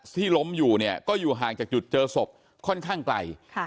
ล้มอยู่เนี่ยก็อยู่ห่างจากจุดเจอศพค่อนข้างไกล